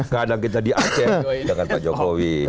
kadang kita di aceh dengan pak jokowi